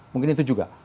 mungkin itu juga